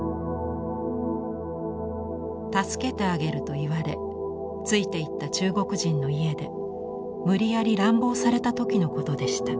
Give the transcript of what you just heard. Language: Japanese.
助けてあげると言われついていった中国人の家で無理やり乱暴された時のことでした。